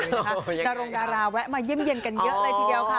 ดารงดาราแวะมาเยี่ยมเย็นกันเยอะเลยทีเดียวค่ะ